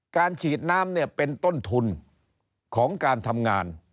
ฉีดน้ำเนี่ยเป็นต้นทุนของการทำงาน